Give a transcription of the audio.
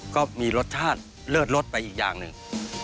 ก็มีรสชาติเลิศรสไปอีกอย่างหนึ่ง